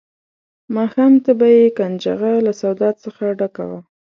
ماښام ته به یې کنجغه له سودا څخه ډکه وه.